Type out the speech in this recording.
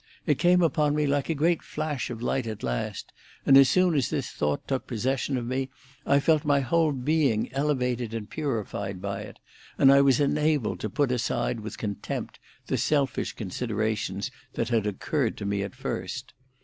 It came upon me like a great flash of light at last, and as soon as this thought took possession of me, I felt my whole being elevated and purified by it, and I was enabled to put aside with contempt the selfish considerations that had occurred to me at first.